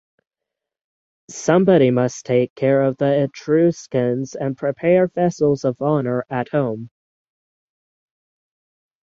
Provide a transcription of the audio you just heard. Somebody must take care of the Etruscans and prepare vessels of honor at home.